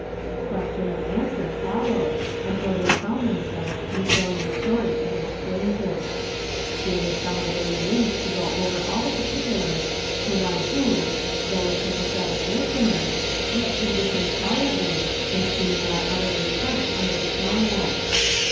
qjiiestioii and answer followed until Lhey found themselves detailing the story to this stranger. 332 YESTERDAY FRAMED IN TO DAY. David found it a relief to go over all the particu lars to one who,* though a sympathetic listener, yet could listen quietly, and seem not utterly crushed under the climax.